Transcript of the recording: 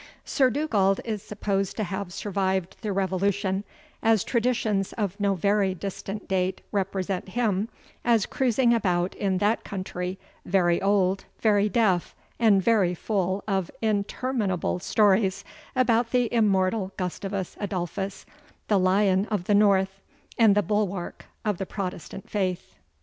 Sir Dugald is supposed to have survived the Revolution, as traditions of no very distant date represent him as cruising about in that country, very old, very deaf, and very full of interminable stories about the immortal Gustavus Adolphus, the Lion of the North, and the bulwark of the Protestant Faith.